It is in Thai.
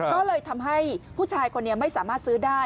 ก็เลยทำให้ผู้ชายคนนี้ไม่สามารถซื้อได้